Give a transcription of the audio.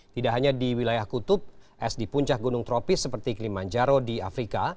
tidak hanya di wilayah kutub es di puncak gunung tropis seperti klimanjaro di afrika